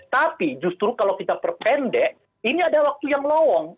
tapi justru kalau kita perpendek ini ada waktu yang lowong